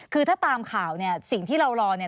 คือถ้าตามข่าวเนี่ยสิ่งที่เรารอเนี่ย